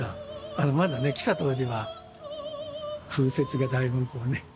あのまだね来た当時は風雪がだいぶこうね。